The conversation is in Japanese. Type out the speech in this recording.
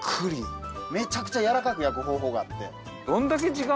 めちゃくちゃやわらかく焼く方法があって。